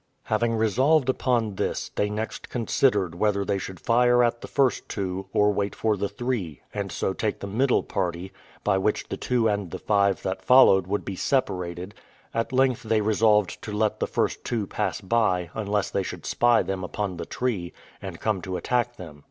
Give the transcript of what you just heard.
Having resolved upon this, they next considered whether they should fire at the first two, or wait for the three, and so take the middle party, by which the two and the five that followed would be separated; at length they resolved to let the first two pass by, unless they should spy them the tree, and come to attack them.